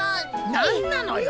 何なのよ